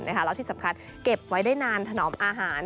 แล้วที่สำคัญเก็บไว้ได้นานถนอมอาหาร